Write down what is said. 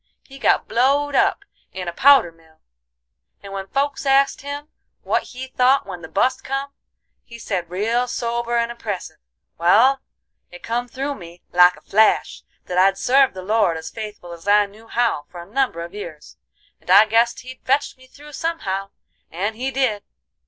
He got blowed up in a powder mill, and when folks asked him what he thought when the bust come, he said, real sober and impressive: 'Wal, it come through me, like a flash, that I'd served the Lord as faithful as I knew how for a number a years, and I guessed He'd fetch me through somehow, and He did.